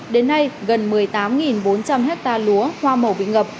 đến nay gần một mươi tám bốn trăm linh hectare lúa hoa màu bị ngập